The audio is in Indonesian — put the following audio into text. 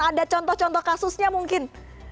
ada contoh contoh kasusnya mungkin